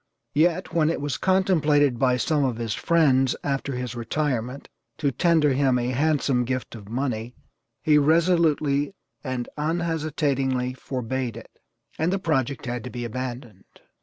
Yet, when it was contemplated by some of his friends, after his retirement, to tender him a handsome gift of money, he resolutely and unhesitatingly forbade it, and the project had to be abandoned.